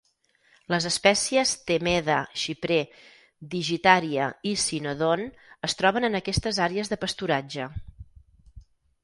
Les espècies "Themeda", xiprer, "Digitaria" i "Cynodon" es troben en aquestes àrees de pasturatge.